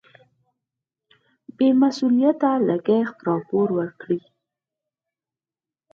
بې مسؤلیته لګښت راپور ورکړي.